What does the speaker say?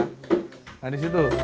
nah di situ